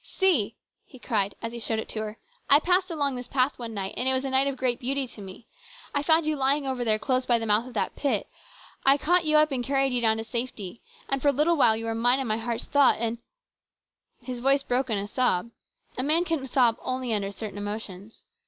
" See !" he cried, as he showed it to her. " I passed along this path one night, and it was a night of great beauty to me. I found you lying over there close by the mouth of that pit. I caught you up and carried you down to safety. And for a little while you were mine in my heart's thought, and " His voice broke in a sob. A man can sob only under certain emotions.